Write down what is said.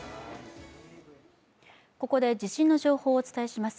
ここで地震の情報をお伝えします。